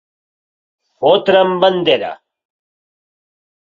Fotre en bandera.